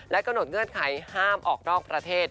กำหนดเงื่อนไขห้ามออกนอกประเทศ